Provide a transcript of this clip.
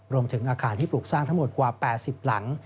รวมถึงอาคารที่ปลูกสร้างทั้งหมดกว่า๘๐หลัง